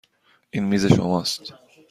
این میز شماست.